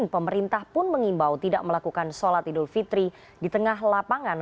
pemerintah pun mengimbau tidak melakukan sholat idul fitri di tengah lapangan